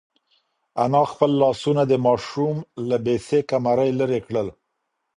انا خپل لاسونه د ماشوم له بې سېکه مرۍ لرې کړل.